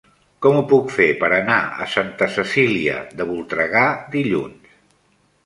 Com ho puc fer per anar a Santa Cecília de Voltregà dilluns?